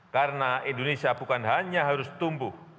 karena indonesia bukan hanya harus tumbuh